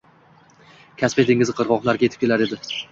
Kaspiy dengizi qirgʻoqlariga yetib kelar edi.